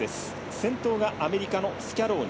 先頭がアメリカのスキャローニ。